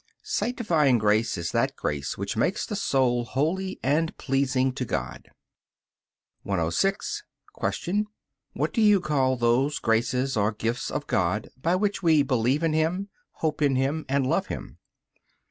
Sanctifying grace is that grace which makes the soul holy and pleasing to God. 106. Q. What do you call those graces or gifts of God by which we believe in Him, hope in Him, and love Him?